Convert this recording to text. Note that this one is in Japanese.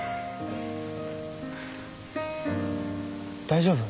大丈夫？